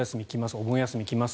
お盆休みが来ます。